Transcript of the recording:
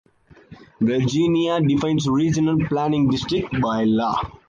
Virginia defines regional planning districts by law.